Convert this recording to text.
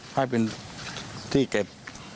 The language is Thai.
ให้เป็นที่เก็บ